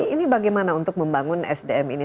ini bagaimana untuk membangun sdm ini